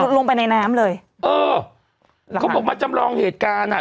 ลงไปในน้ำเลยเออเขาบอกมาจำลองเหตุการณ์อ่ะ